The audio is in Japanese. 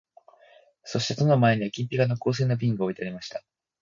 そして戸の前には金ピカの香水の瓶が置いてありました